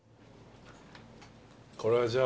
これはじゃあ。